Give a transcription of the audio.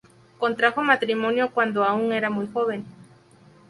Contrajo matrimonio cuando aún era muy joven.